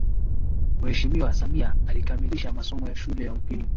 Mheshimiwa Samia alikamilisha masomo ya shule ya upili